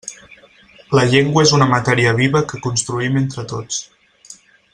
La llengua és una matèria viva que construïm entre tots.